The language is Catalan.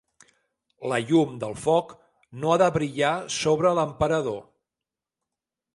La llum del foc no ha de brillar sobre l'emperador.